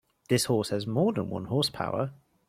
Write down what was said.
This horse has more than one horse power.